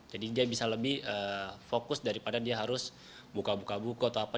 jadi dia bisa lebih fokus daripada dia harus buka buka buku atau apa